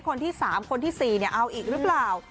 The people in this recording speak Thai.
คนที่๓คนที่๔เอาอีกหรือเปล่า